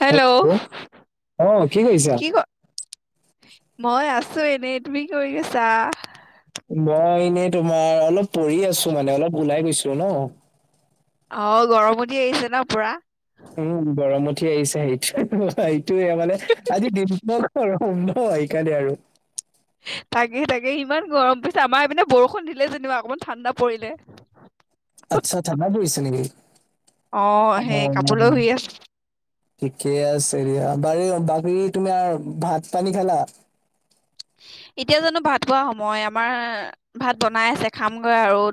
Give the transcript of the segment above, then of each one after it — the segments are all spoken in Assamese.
হেল্ল' অ কৰিছা? কি ক? মই আছো এনেই তুমি কি কৰি আছা? মই এনেই তোমাৰ অলপ পঢ়ি আছো মানে অলপ ওলাই গৈছো ন? অ গৰমতে আহিছে ন পুৰা? উম গৰম উঠি আহিছে সেইটো এইটোয়ে মানে আজি দিনটোৰ। বৰষুণ, ন সেই কাৰণে আৰু তাকে তাকে ইমান গৰম পিছে আমাৰ মানে বৰষুণ, দিলে যেনিবা অকণমান ঠাণ্ডা পৰিলে। আচ্ছা ঠাণ্ডা পৰিছে নেকি? অ অ সেই কাপোৰলৈ শুই আছো। ঠিকে আছে দিয়া,। বাৰ-বাকী তোমাৰ আৰু ভাত পানী খালা। এতিয়া জানো ভাত পোৱা সময়, আমাৰ ভাত বনাই আছে খামগৈ আৰু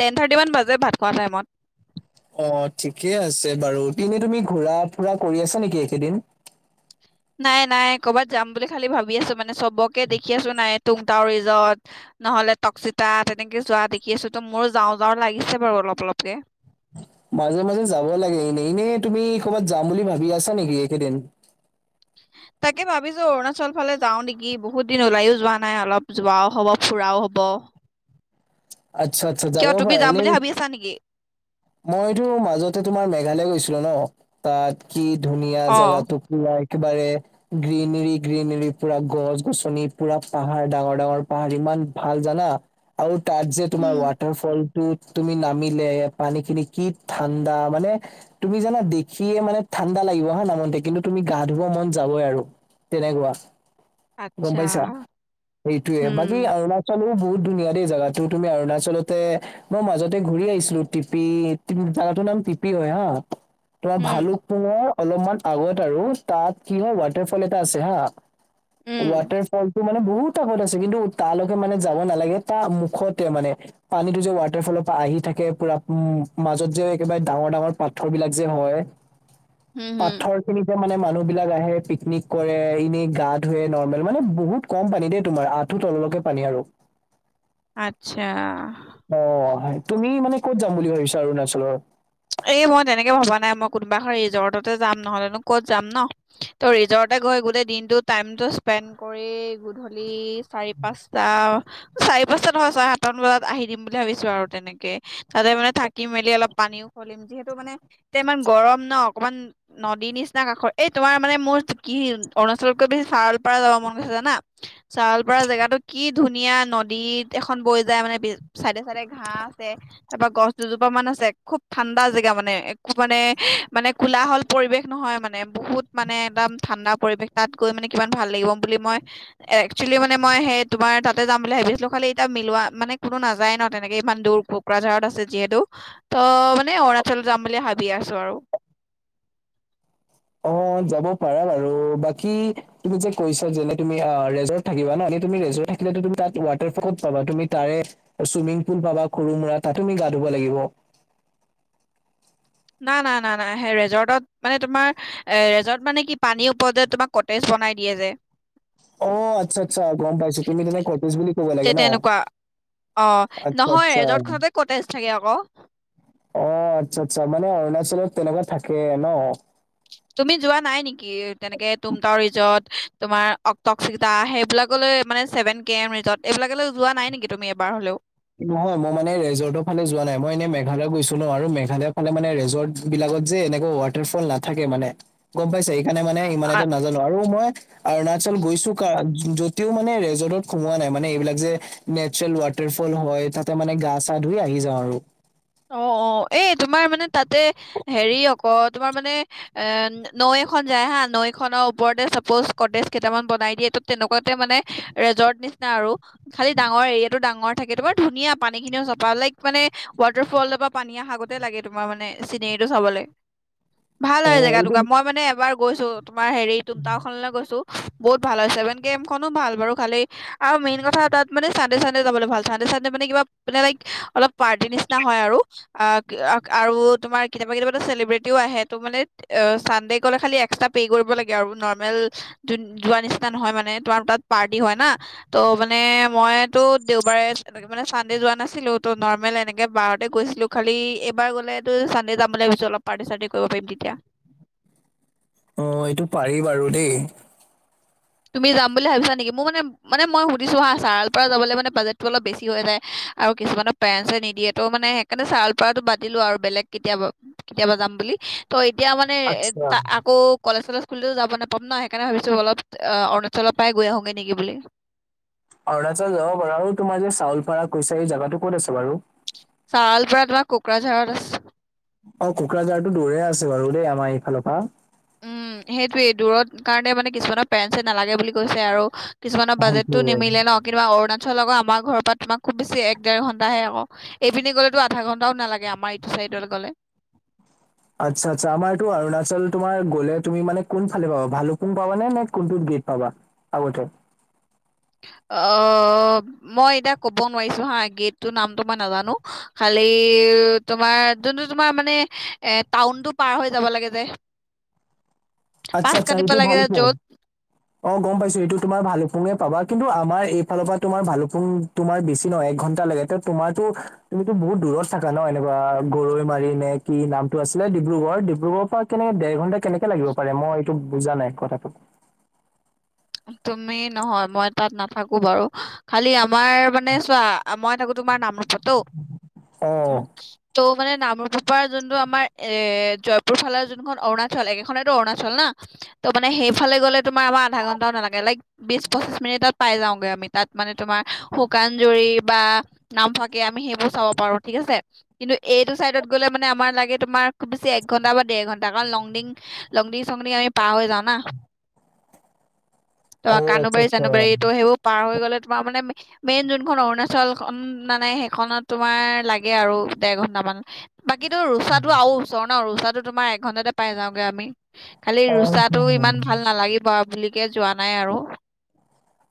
টেন-থাৰ্টিমান বাজে ভাত খোৱা টাইত। অ' ঠিকেই আছে বাৰু এনেই তুমি ঘূৰা-ফুৰা কৰি আছা নেকি, এই কেইদিন। নাই, নাই ক'বাত যাম বুলি খালী ভাবি আছো,। মানে চবকে দেখি আছো নাই।, তুক টাও ৰিজৰ্ট। নহ'লে টকচিতা তেনেকে যোৱা দেখি আছো টো মোৰো যাওঁ, যাওঁ লাগিছে বাৰু অলপ অলপকে। মাজে-মাজে যাব লাগে, এনে এনেই তুমি কৰ'ৰবাত যাম বুলি ভাবি আছা নেকি, এইকেইদিন? [unintelligible] তাকে ভাবিছোঁ অৰুণাচল, ফালে যাওঁ নেকি বহুত দিন ওলায়ো যোৱা নাই অলপ যোৱাও হ'ব ফুৰাও হ'ব। আচ্ছা, আচ্ছা যাব কিয় তুমি পাৰা যাম বুলি এনেই ভাবি আছা নেকি মইতো মাজতে তোমাৰ মেঘালয়, গৈছিলো ন। তাত কি ধুনীয়া অ জেগা টুপলা একেবাৰে। গ্ৰীনেৰী, গ্ৰীনেৰী পুৰা গছ-গছনি, পুৰা পাহাৰ ডাঙৰ, ডাঙৰ পাহাৰ, ইমান ভাল জানা। আৰু তাৰ যে তোমাৰ উম ৱাটাৰ ফল উত তুমি নামিলে, পানী খিনি কি ঠাণ্ডা মানে তুমি জানা দেখিয়ে মানে ঠাণ্ডা লাগিব হা নামোতে কিন্তু তুমি গা-ধুব মন যাবই আৰু তেনেকুৱা। গম আচ্ছা পাইছা। সেইটোয়ে বাকী উম অৰুণাচলো, বহুত ধুনীয়া দেই জেগাত তো-তুমি অৰুণাচলতে, মই মাজতে ঘূৰি আহিছিলো। টিপি জেগা নাম টি পি হয় হা। তোমাৰ উম ভালুকপুঙৰ অলপমান আগত আৰু তাত কি হয়, ৱাটাৰফল এটা আছে হা। উম ৱাটাৰফলটো মানে বহুত আগত আছে, কিন্তু তালৈকে মানে যাব নালাগে। তামুখ খতে মানে। পানীটো যে ৱাটাৰ ফলৰ পৰা আহি থাকে পুৰা, উম মাজত যে একেবাৰে ডাঙৰ ডাঙৰ পাথৰ বিলাক যে হয়। হম হম পাথৰ খিনিতে মানে মানুহ বিলাক আহে, পিকনিক কৰে। এনেই গা-ধুৱে নৰ্মেল মানে বহুত কম পানী দেই তোমাৰ, আঠু তললৈকে পানী আৰু। আচ্ছা। অঁ, তুমি মানে ক'ত যাম বুলি ভাবিছা অৰুণাচলৰ? এই মই তেনেকে ভবা নাই, মই কোনোবা এখন ৰিজৰ্টতে যাম, নহ'লেনো ক'ত যাম ন। ত ৰিজৰ্ট গৈ গোটেই দিনটো টাইমটো স্পেণ কৰি গধূলি চাৰি পাঁচটা চাৰি পাঁচটা নহয়, চাৰে সাতটামান বজাত আহি দিম বুলি ভাবিছো আৰু তেনেকে। তাতে মানে থাকি মেলি অলপ পানীও খুলিম, যিহেতু মানে এতিয়া ইমান গৰম ন। অকমান নদীৰ নিচিনা কাষৰ এই তোমাৰ মানে মোৰ কি অৰুণাচলতকৈ বেছি ছাৱালপাৰা যাব মন গৈছে জানা। চাৱালপাৰা জেগাটো কি ধুনীয়া নদীত এখন বৈ যায় মানে বি চাইদে চাইদে ঘাঁহ আছে, তাৰপা গছ দুজোপা মান আছে। খুব ঠাণ্ডা জেগা মানে, একো মানে মানে কোলাহল পৰিৱেশ নহয় মানে বহুত মানে একদম ঠাণ্ডা পৰিৱেশ তাত গৈ মানে কিমান ভাল লাগিব বুলি, মই একচুৱেলি, মানে মই সেই তোমাৰ তাতে যাম বুলি ভাবিছিলো। খালী এতিয়া মিলোৱা মানে কোনো নাযায় ন তেনেকে, ইমান দূৰ ক কোকৰাঝাৰত আছে যিহেতু। ত মানে অৰুণাচলত যাম বুলি ভাবি আছো আৰু। অ যাব পাৰা আৰু বাকী তুমি যে কৈছা যেনে তুমি ৰেজট থাকিব ন, এনে তুমি ৰেজট থাকিলে তুমি তাত ৱাটাৰ-ফলত ক'ত পাবা, তুমি তাৰে চুইমিং পুল পাবা, সৰু মুৰা তাত তুমি গা ধুব লাগিব। না না না না সেই ৰেজৰ্টত মানে তোমাৰ এ ৰেজৰ্ট মানে কি পানীৰ ওপৰত যে তোমাক কটেজ বনাই দিয়ে যে। অ আচ্ছা আচ্ছা গম পাইছো, তুমি তেনে কৰ্তেজ বুলি ক'ব লাগে ন। অঁ আচ্ছা নহয়, আচ্ছা ৰেজৰ্ট খনতে কৰ্টেজ থাকে আক। অ' আচ্ছা, আচ্ছা মানে অৰুণাচলত তেনেকুৱা থাকে ন। তুমি যোৱা নাই নেকি? তেনেকে তুংটাও ৰিজট তোমাৰ অক তকচি তা সেইবিলাকলৈ মানে ছেভেন কে এম ৰিজৰ্ট এইবিলাকলৈ যোৱা নাই নেকি তুমি এবাৰ হলেও? নহয় মই মানে ৰেজৰ্টৰ ফালে যোৱা নাই মই এনেই মেঘালয় গৈছো নহ আৰু মেঘালয়ৰ ফালে মানে ৰেজৰ্ট বিলাকত যে এনেকুৱা ৱাটাৰফল নাথাকে মানে। গম পাইছে, সেইকাৰণে মানে ইমান আ এটা নাজানো আৰু মই অৰুণাচল গৈছো কাৰ যদিও মানে ৰেজৰ্টত সোমোৱা নাই মানে, এইবিলাক যে নেচাৰেল ৱাটাৰ পুল হয় তাতে মানে গা চা ধুই আহি যাওঁ আৰু। অহঁ অহঁ এই তোমাৰ মানে তাতে হেৰি অক তোমাৰ মানে এহ নৈ এখন যায় হা, নৈ খনৰ ওপৰতে চাপ'জ কটেজ কেইটামান বনাই দিয়ে, ত তেনেকুৱাতে মানে ৰেজৰ্ট নিচিনা আৰু। খালি ডাঙৰ এৰিয়াটো ডাঙৰ থাকে। তোমাৰ ধুনীয়া পানী খিনিও চফা লাইক মানে। ৱাটাৰফলৰ পৰা পানী অহাগতে লাগে তোমাৰ মানে চিনেৰীটো চাবলে। ভাল অ হয় জেগা এইটো টুকুৰা, মই মানে এবাৰ গৈছো তোমাৰ হেৰি তুংটাও খনলৈ গৈছো। বহুত ভাল হয়, ছেভেন কে এম খনো ভাল বাৰু খালি আৰু মেইন কথা তাত মানে চানডে চানডে যাবলৈ ভাল চানডে চানডে মানে কিবা মানে লাইক অলপ পাৰ্টি নিচি না হয় আৰু আঁহ আ আৰু তোমাৰ কেতিয়াবা কেতিয়াবাটো চেলিব্ৰেটিও আহে টো মানে চানডে গলে খালি এক্সট্ৰা পে' কৰিব লাগে আৰু নৰ্মেল যোৱা নিচিনা নহয় মানে তোমাৰ তাত পাৰ্টি হয় না। ত' মানে মই তো দেওবাৰে মানে চানডে যোৱা নাছিলো ত নৰ্মেল এনে কে বাৰতে গৈছিলো খালি এইবাৰ গলেতো চানডে যাম বুলি ভাবিছো অলপ পাৰ্টি চাৰ্টি কৰিব পাৰিম তেতিয়া। অহ এইটো পাৰি বাৰু দেই। তুমি যাম বুলি ভাবিছা নেকি মোৰ মানে মানে মই সুধিছো হা চাৰাল পৰা যাবলৈ মানে বাজেটটো অলপ বেছি হৈ যায়। আৰু কিছুমানৰ পেৰেণ্টচে নিদিয়েতো মানে সেইকাৰণে ছাৰাল পাৰাতো বাদদিলো আৰু বেলেগ কেতিয়াবা কেতিয়াবা যাম বুলি। ত' এতিয়া মানে এ আচ্ছা ত আকৌ কলেজ চলেজ খুলিলেও যাব নাপাম ন সেইকাৰণে ভাবিছোঁ অলপ অহ অৰুণাচলত পাই গৈ আহোগে নেকি বুলি। অৰুণাচল যাব পাৰা আৰু তোমাৰ যদি চাউল পাৰা কুইচাৰী জেগাটো ক'ত আছে বাৰু? চাউল পাৰা তোমাৰ কুকৰাঝাৰত আছে। অহ কোকৰাঝাৰতো দূৰে আছে বাৰু দেই আমাৰ এইফালৰ পৰা। উম, সেইটোৱেই দূৰত কাৰণে মানে কিছুমানৰ পেৰেন্টছে নালাগে বুলি কৈছে আৰু কিছুমানৰ বাজেটটো সেইটোৱে নিমিলে ন কিন্তু অৰুণাচল আকৌ আমাৰ ঘৰৰ পৰা তোমাৰ খুব বেছি এক ডেৰ ঘণ্টাহে আকৌ। এইপিনে গ'লেতো আধা ঘণ্টাও নালাগে আমাৰ ইটো চাইডত গ'লে। আচ্ছা, আচ্ছা, আমাৰ এইটো অৰুণাচল গলে তোমাৰ গ'লে তুমি মানে কোন ফালে পাবা ভালুকপুং পাবা নে নে কোনটোত গেট পাবা? আগতে। অহ, মই এতিয়া ক'ব নোৱাৰিছো হা গেটটো নামটো মই নাজানো। খালি, তোমাৰ যোনটো তোমাৰ মানে এ টাউনতটো পাৰ হৈ যাব লাগে যে। আচ্ছা, পাছ আচ্ছা, কাটিব সেইটো লাগে যে ভালুকপুং। য'ত অ' গম পাইছো এইটো তোমাৰ ভালুকপুঙে পাবা, কিন্তু আমাৰ এইফালৰ পৰা তোমাৰ ভালুকপুং তোমাৰ বেছি নহয়, এক ঘণ্টা লাগে এতিয়া তোমাৰতো তুমিতো বহুত দূৰত থাকা ন এনেকুৱা গৰৈ মাৰি নে কি নামটো আছিলে ডিব্ৰুগড়, ডিব্ৰুগড়ৰ পৰা কেনেকে দেৰ ঘণ্টা কেনেকে লাগিব পাৰে মই এইটো বুজা নাই কথাটো? তুমি নহয়, মই তাত নাথাকো বাৰু, খালি আমাৰ মানে চোৱা, মই থাকো তোমাৰ নামৰূপততো, অ উম। ত' মানে নামৰুপৰ পৰা যোনটো আমাৰ এ জয়পুৰ ফালৰ যোনখন অৰুণাচল একেখনেই অৰুণাচল না। ত' মানে সেইফালে গ'লে তোমাৰ আমাৰ আধা ঘন্টাও নালাগে লাইক বিশ পঁচিশ মিনিটত পাই যাওঁগৈ আমি তাত মানে তোমাৰ শুকান জুৰি বা নামফাকে আমি সেইবোৰ চাব পাৰো ঠিক আছে। কিন্তু এইটো চাইডত গ'লে মানে আমাৰ লাগে তোমাৰ খুব বেছি এক ঘণ্টা বা ডেৰ ঘণ্টা কাৰণ লং ডিং লংডিং চংডিং আমি পাৰ হৈ যাওঁ না। ত' অ আচ্ছা কানুবাৰী আচ্ছা চানুবাৰীটো সেইবোৰ পাৰ হৈ গ'লে তোমাৰ মানে মেইন যোনখন অৰুণাচল মানে সেইখনত তোমাৰ লাগে আৰু দেৰ ঘন্টামান। বাকী ৰুচাটো আৰু ওচৰ ন ৰুচাটো তোমাৰ এঘন্টাতে পাই যাওগে আমি খালি ৰুচাটো ইমান অ ভাল নালাগিব বুলিকে যোৱা নাই আৰু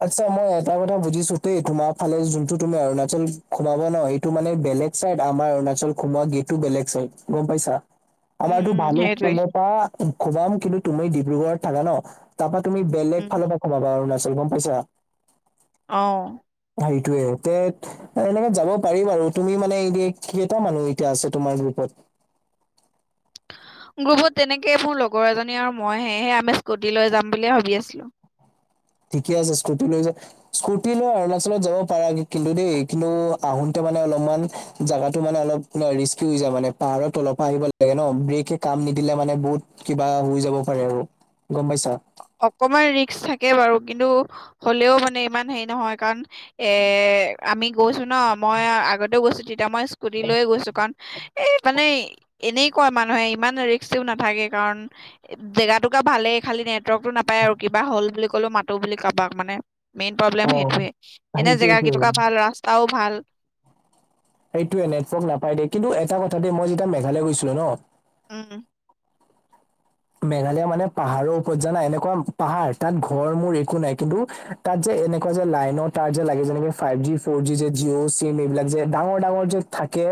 আচ্ছা মই এটা কথা বুজিছো তেই তোমাৰ ফালে যোনটো তুমি অৰুণাচল সোমাবা ন স টো মানে বেলেগ চাইড আমাৰ অৰুণাচল সোমোৱা গেতটো বেলেগ চাইড গম পাইছা উম আমাৰতো উম ভালু সেইটোৱে কম পৰা সোমাম কিন্তু তুমি ডিব্ৰুগড়ত থাকা ন তাপা তুমি বেলেগ উম ফালৰ পৰা সোমাবা অৰুণাচল গম পাইছা অ সেইটোয়ে এতে, এনেকে যাব পাৰি বাৰু তুমি মানে এতে কেইটা মানুহ এতিয়া আছে তোমাৰ গ্ৰুপত? গ্ৰুপত তেনেকে মোৰ লগৰ এজনী আৰু মই হে সেয়ে আমি স্কুটি লৈ যাম বুলিয়ে ভাবি আছিলো। ঠিকে আছে স্কুটি লৈ যায় স্কুটি লৈ অৰুণাচলত যাব পাৰা কিন্তু দেই, কিন্তু আহোতে মানে অলপমান জোগাটো মানে অলপ শুনা ৰিস্কি হৈ যায় মানে পাহাৰত তলৰ পৰা আহিব লাগে ন, ব্ৰেকে কাম নিদিলে মানে বহুত কিবা হৈ যাব পাৰে আৰু গম পাইছা। অকনমান ৰিস্ক থাকে বাৰু কিন্তু হলেও মানে ইমান হেৰি নহয় কাৰণ এ আমি গৈছোঁ ন, মই আগতেও গৈছোঁ তেতি য়া মই স্কুটি লৈয়ে গৈছোঁ কাৰণ এ মানে এনে কয় মানুহে ইমান ৰিস্কও নাথাকে কাৰণ, জেগাটোকোৰা ভালেই খালি নেট টো নাপায় আৰু কিবা হ'ল বুলি ক'লেও মাতো বুলি কাৰোবাক মানে মেইন প্ৰব্লেম অ সেইটোৱে, এনে সেইটোৱেইটো জেগাকিটোকা ভাল ৰাস্তাও ভাল। এইটোৱে নেটৱৰ্ক নাপাই দেই কিন্তু এটা কথা দেই মই যেতিয়া মেঘালয় গৈছিলোঁ ন উম। মেঘালয় মানে পাহাৰৰ ওপৰত জানা এনেকুৱা পাহাৰ তাত ঘৰ মোৰ একো নাই কিন্তু তাত যে এনেকুৱা যে লাইনৰ তাৰ যে লাগে যেনেকে ফাইভ জি, ফ'ৰ জি, যে জিঅ' চিম এইবিলাক যে ডাঙৰ ডাঙৰ যে থাকে।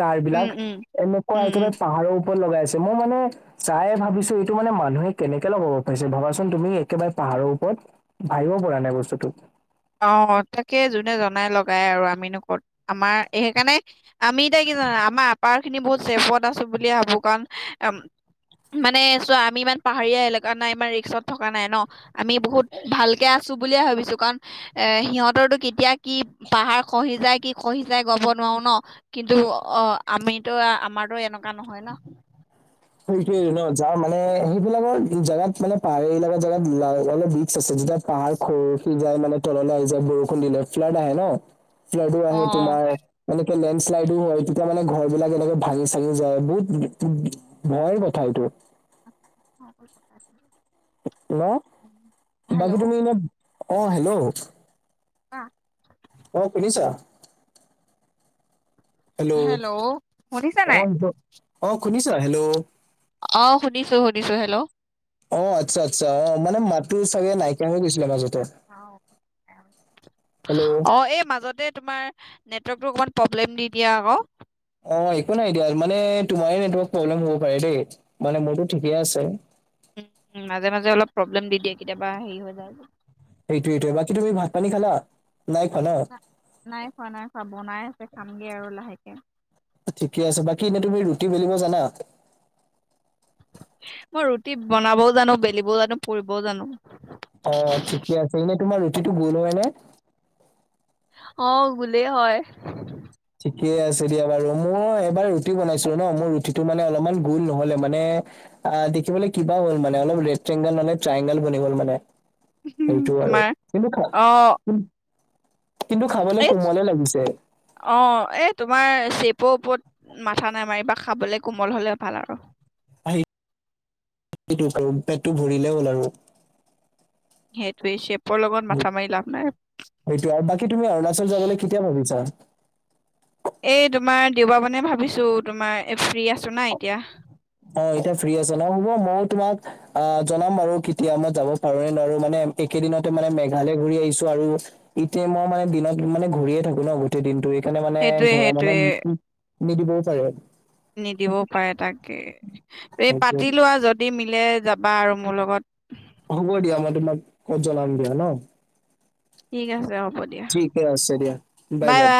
তাঁৰ উম বিলাক উম এনেকুৱা উম উম একেবাৰে পাহাৰৰ ওপৰত লগায়ছে মই মানে চায়ে ভাবিছোঁ এইটো মানে মানুহে কেনেকে লগাব পাৰিছে ভাবাচোন তুমি একেবাৰে পাহাৰৰ ওপৰত। ভাবিব পৰা নাই বস্তুটোক। অ' তাকে যোনে জনাই লগাই আৰু আমিনো ক'ত আমাৰ এই সেইকাৰণে আমি এতিয়া কি জানো আমাৰ আপাৰ খিনি বহুত চেভত আছোঁ বুলিয়ে ভাবো কাৰণ মানে চোৱা আমি ইমান পাহাৰীয়া এলেকাত নাই ইমান ৰিক্সত থকা নাই ন। আমি বহুত ভালকে আছোঁ বুলিয়ে ভাবিছোঁ কাৰণ এ সিহঁতৰটো কেতিয়া কি পাহাৰ খহি যায় কি খহি যায় ক'ব নোৱাৰো ন। কিন্তু অ' আমিতো আমাৰোটো এনেকুৱা নহয় ন। সেইটোৱে। যাওঁ মানে সেইবিলাকৰ জেগাত মানে পাহাৰ এইবিলাকৰ জেগাত অলপ ৰিস্ক আছে যেতিয়া পাহাৰ খহি যায় মানে তললৈ আহি যায় বৰষুণ দিলে ফ্লাড আহে ন, ফ্লাডো আহে অ', তোমাৰ এনেকে লেণ্ডশ্লাইডো হয় তেতিয়া মানে ঘৰ বিলাক এনেকে ভাঙি চাঙি যায় বহুত ভয় কথা এইটো। ঘৰ বোৰ পকা ৰাস্তা হেল্ল! ' বাকী তুমি এনে অ' হেল্ল' [unintelligible] অ' শুনিছা? হেল্ল'! শুনিছা নাই অঁ অঁ শুনিছা? হেল্ল'। অ' শুনিছোঁ শুনিছোঁ। হেল্ল'। অ' আচ্ছা আচ্ছা অ' মানে মাতো চাগে নাইকিয়া হৈ গৈছিলে মাজত হেল্ল' অ' এই মাজতে তোমাৰ নেটৱৰ্কটো অকণমান প্ৰব্লেম দি দিয়ে আকৌ। অ' একো নাই দিয়া মানে তোমাৰে নেটৱৰ্ক প্ৰব্লেম হ'ব পাৰে দেই, মানে মোৰ ঠিকে আছে। উম মাজে মাজে অলপ প্ৰব্লেম দি দিয়ে কেতিয়াবা হেৰি হৈ যায় যে এইটো এইটোৱে বাকী তুমি ভাত পানী খালা? নাই খোৱা ন? নাই খোৱা নাই খোৱা বনাই আছে খামগে আৰু লাহেকে। ঠিকে আছে বাকী এনে তুমি ৰুটি বেলিব জানা? মই ৰুটি বনাবও জানো, বেলিবও জানো, পুৰিবও জানো। অ' ঠিকে আছে, এনে তোমাৰ ৰুটিটো গোল হয় নে? অ গোলেই হয় ঠিকেই আছে দিয়া বাৰু মই এবাৰ ৰুটি বনাইছিলো ন মোৰ ৰুটিটো মানে অলপমান গোল নহলে মানে আহ দেখিবলৈ কিবা হ'ল মানে অলপ ৰেটংগল মানে ট্ৰায়ংগল বনি গ'ল মানে সেইটো আৰু তোমাৰ কিন্তু খা অ কিন্তু খাবলে এই কোমলে লাগিছে অ এই তোমাৰ চেপৰ ওপৰত মাথা নামাৰিবা খাবলে কোমল হ'লে ভাল আৰু আহি সেইটো কৰো পেটতো ভৰিলে হ'ল আৰু সেইটোৱে চেপৰ লগত মাথা মাৰি লাভ নাই সেইটো আৰু বাকী তুমি অৰুণাচল যাবলৈ কেতিয়া ভাবিছা এই তোমাৰ দেওবা মানে ভাবিছো তোমাৰ ফ্ৰী আছো না এতিয়া অ এতিয়া ফ্ৰী আছে ন হ'ব মই তোমাক অ জনাম বাৰু কেতিয়া মই যাব পাৰো নে নোৱাৰো মানে এইকেদিনতে মানে মেঘালয় ঘূৰি আহিছো আৰু এতিয়া মই মানে দিনত মানে ঘূৰিয়ে থাকো ন গোটেই দিনটো সেইকাৰণে মানে সেইটোয়ে ঘৰৰ মানুহ সেইটোয়ে মোক নিদিবও পাৰে নিদিবও পাৰে তাকে এই সেইটোৱে পাতি লোৱা যদি মিলে যাবা আৰু মোৰ লগত হ'ব দিয়া মই তোমাক ক'ত জ্বনাম দিয়া ন ঠিক আছে হ'ব দিয়া ঠিকে আছে দিয়া বাই বাই